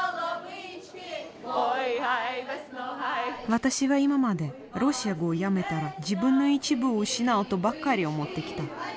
私は今までロシア語をやめたら自分の一部を失うとばかり思ってきた。